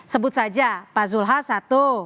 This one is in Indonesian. sebut saja pak zulhas satu